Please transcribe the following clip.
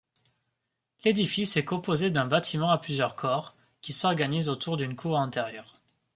L'édifice est composé d'un bâtiment à plusieurs corps qui s'organisent autour d'une cour intérieure.